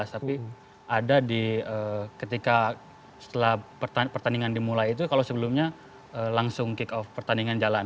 tapi ada di ketika setelah pertandingan dimulai itu kalau sebelumnya langsung kick off pertandingan jalan